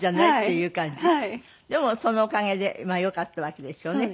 でもそのおかげでまあよかったわけですよね。